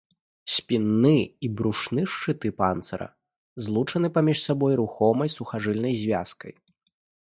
Спінны і брушны шчыты панцыра злучаны паміж сабой рухомай сухажыльнай звязкай.